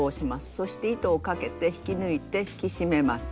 そして糸をかけて引き抜いて引き締めます。